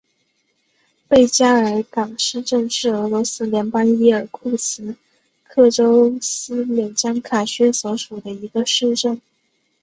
贝加尔港市镇是俄罗斯联邦伊尔库茨克州斯柳江卡区所属的一个市镇。